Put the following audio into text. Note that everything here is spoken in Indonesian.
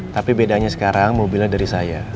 tapi bedanya sekarang mobilnya dari saya